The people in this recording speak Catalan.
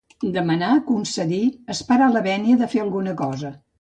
Demanar, concedir, esperar, la vènia de fer alguna cosa.